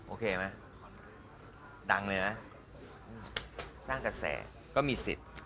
โอเคไหมดังเลยนะสร้างกระแสก็มีสิทธิ์